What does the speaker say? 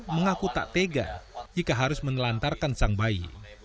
mengaku tak tega jika harus menelantarkan sang bayi